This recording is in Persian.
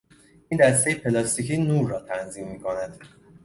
این دستهی پلاستیکی نور را تنظیم میکند.